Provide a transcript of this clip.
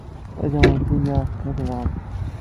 Ad awent-iniɣ, ma tebɣamt.